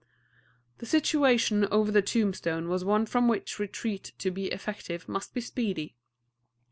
The situation over the tombstone was one from which retreat to be effective must be speedy.